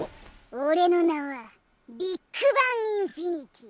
俺の名はビッグバン・インフィニティー！